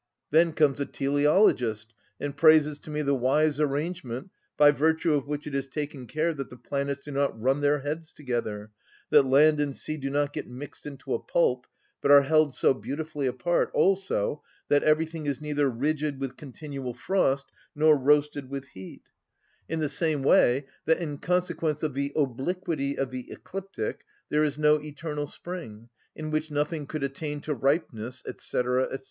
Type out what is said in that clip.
Then comes a teleologist, and praises to me the wise arrangement by virtue of which it is taken care that the planets do not run their heads together, that land and sea do not get mixed into a pulp, but are held so beautifully apart, also that everything is neither rigid with continual frost nor roasted with heat; in the same way, that in consequence of the obliquity of the ecliptic there is no eternal spring, in which nothing could attain to ripeness, &c. &c.